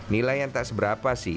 nilai yang tak seberapa sih